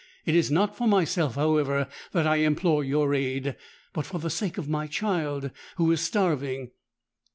It is not for myself, however, that I implore your aid; but for the sake of my child, who is starving!